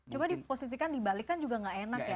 coba diposisikan dibalikkan juga gak enak ya